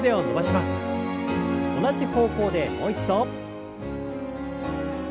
同じ方向でもう一度。